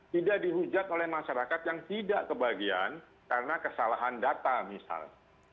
tidak dihujat oleh masyarakat yang tidak kebagian karena kesalahan data misalnya